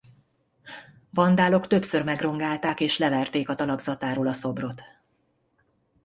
Vandálok többször megrongálták és leverték a talapzatáról a szobrot.